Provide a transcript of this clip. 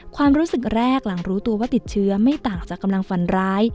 ความรู้สึกแรกหลังรู้ตัวว่าติดเชื้อไม่ต่างจากกำลังฟันร้าย